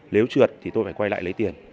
nếu trượt thì tôi phải quay lại lấy tiền